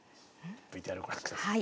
ＶＴＲをご覧ください。